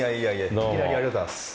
いきなりありがとうございます。